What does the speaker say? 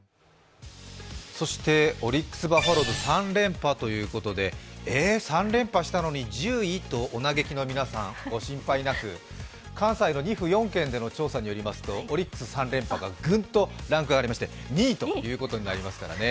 オリックス・バファローズ３連覇ということで、え、３連覇したのに１０位？とお嘆きの皆さん、ご心配なく、関西の２府４県での調査によりますと、オリックス３連覇がグンとランクが上がりまして２位ということになりますからね。